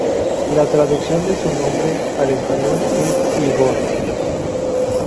La traducción de su nombre al español es Ígor.